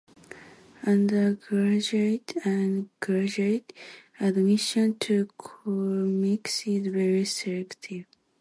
Undergraduate and graduate admission to Colmex is very selective.